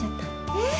えっ！